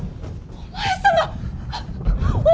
お前様！